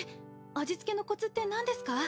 味付けのコツってなんですか？